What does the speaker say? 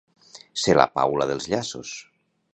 Ser la Paula dels llaços.